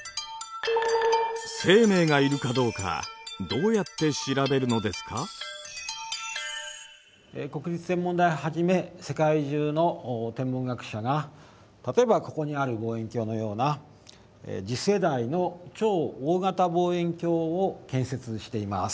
そのうち国立天文台をはじめ世界中の天文学者が例えばここにある望遠鏡のような次世代の超大型望遠鏡を建設しています。